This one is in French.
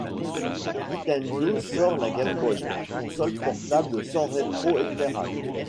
Nintendo sort la Game Boy, console portable sans rétro éclairage.